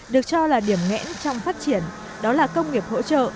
được cho là điểm ngẽn trong phát triển đó là công nghiệp hỗ trợ